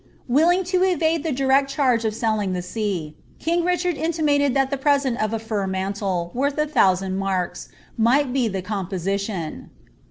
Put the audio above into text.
Wflung to evade the direct charge of selling the see, king Richard intitnated ifaU a present of a fur mantle, worth a thousand marks, might be the eooH position.